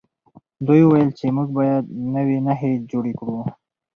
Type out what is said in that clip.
دوی وویل چې موږ باید نوي نښې جوړې کړو.